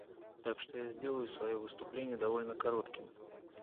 Так что я сделаю свое выступление довольно коротким.